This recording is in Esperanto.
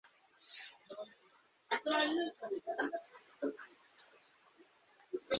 La paro muzikis en la estonteco ankaŭ kune.